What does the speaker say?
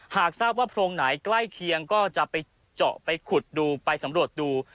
หากทราบว่าโพรงไหนใกล้เคียงก็จะไปเจาะไปขุดดูไปสำรวจดู